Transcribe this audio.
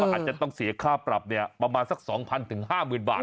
อาจจะต้องเสียค่าปรับประมาณสัก๒๐๐๕๐๐บาท